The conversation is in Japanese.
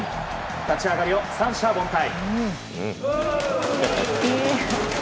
立ち上がりを三者凡退。